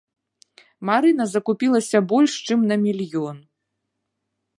Марына закупілася больш чым на мільён.